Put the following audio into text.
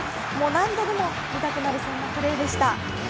何度でも見たくなるそんなプレーでした。